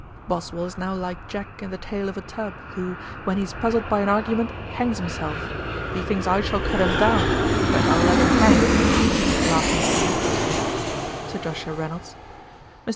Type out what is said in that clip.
Boswell is now like Jack in The Tale of a Tub, who, when he is puzzled by an argument, hangs himself. He thinks I shall cut him down, but I'll let him hang' (laughing vociferously). SIR JOSHUA REYNOLDS. 'Mr.